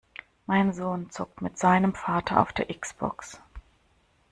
Mein Sohn zockt mit seinem Vater auf der X-Box!